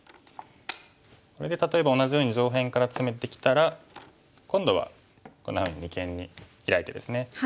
これで例えば同じように上辺からツメてきたら今度はこんなふうに二間にヒラいてですね。